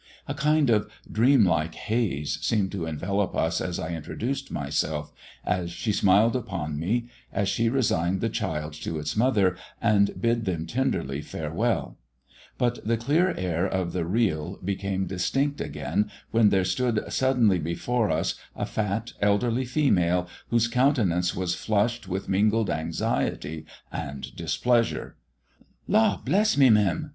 A kind of dream like haze seemed to envelop us as I introduced myself, as she smiled upon me, as she resigned the child to its mother and bid them tenderly farewell; but the clear air of the real became distinct again when there stood suddenly before us a fat elderly female, whose countenance was flushed with mingled anxiety and displeasure. "Law bless me, mem!"